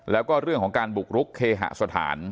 แล้วก็เรื่องของการบุกรุกเคหสถาน